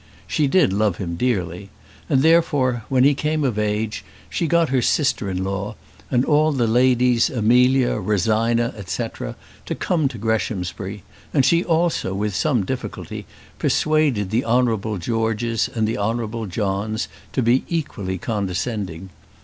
She did love him dearly; and, therefore, when he came of age she got her sister in law and all the Ladies Amelia, Rosina etc., to come to Greshamsbury; and she also, with some difficulty, persuaded the Honourable Georges and the Honourable Johns to be equally condescending.